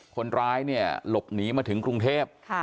คนร้ายหลบหนีมาถึงกรุงเทพฯ